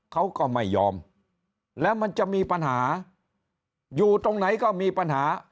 เขาก็ไม่ยอมแล้วมันจะมีปัญหาอยู่ตรงไหนก็มีปัญหา